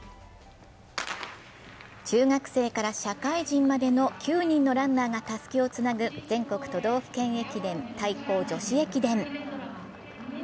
中学生から社会人までの９人のランナーがたすきをつなぐ全国都道府県対抗女子駅伝。